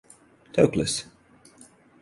Toklas.